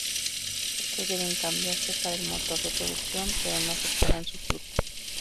Estos deben cambiarse para el motor de producción, pero no afectarán su flujo.